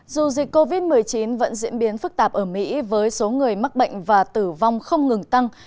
dù dịch covid một mươi chín vẫn diễn biến phức tạp ở mỹ với số người mắc bệnh và tử vong không ngừng tăng